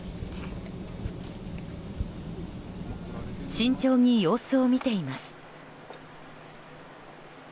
慎重に様子を見ています。